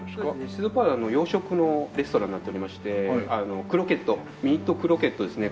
資生堂パーラーは洋食のレストランになっておりましてクロケットミートクロケットですね